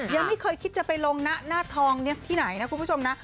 ยังไม่เคยคิดจะไปลงนะหน้าทองที่ไหนนะคุณผู้ชมนะ